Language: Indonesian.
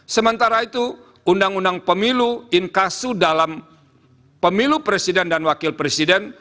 sementara itu undang undang pemilu inkasu dalam pemilu presiden dan wakil presiden